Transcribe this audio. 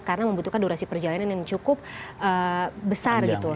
karena membutuhkan durasi perjalanan yang cukup besar gitu